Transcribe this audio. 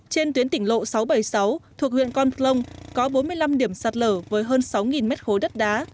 trên tuyến tỉnh lộ sáu trăm bảy mươi sáu thuộc huyện con phlong có bốn mươi năm điểm sạt lở với hơn sáu mét khối đất đá